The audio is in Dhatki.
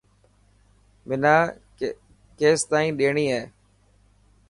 منا ڪستان ڏيڻي هي.